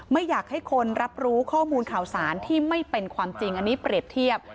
ไม่อยากให้คนรับรู้ข้อมูลข่าวสารที่ไม่เป็นความจริงอันนี้เปรียบเทียบ